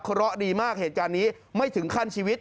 เพราะดีมากเหตุการณ์นี้ไม่ถึงขั้นชีวิต